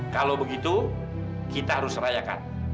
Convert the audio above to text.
kalau begitu kita harus rayakan